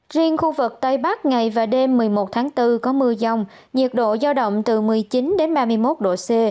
riêng khu vực tây bắc ngày và đêm một mươi một tháng bốn có mưa dông nhiệt độ giao động từ một mươi chín đến ba mươi một độ c